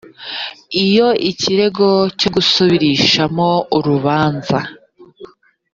iyo ikirego cyo gusubirishamo urubanza